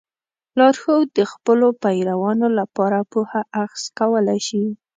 لارښود د خپلو پیروانو لپاره پوهه اخذ کولی شي.